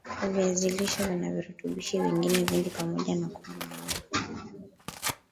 viazi lishe vina virutubishi vingine vingi pamoja na kuwa na wanga